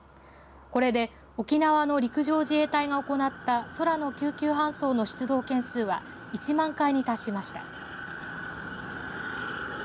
これで沖縄の陸上自衛隊が行った空の救急搬送の出動件数は１万回に達しました。